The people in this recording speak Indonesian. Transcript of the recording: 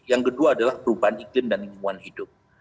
yang kedua adalah perubahan iklim dan lingkungan hidup